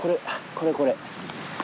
これこれ。